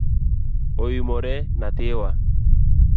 Oimore nyathiwa?